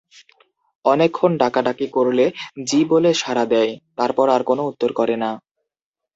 অনেকক্ষণ ডাকাডাকি করলে জ্বি বলে সাড়া দেয়, তারপর আর কোনো উত্তর করে না।